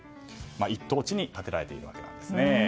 一等地に建てられているわけなんですね。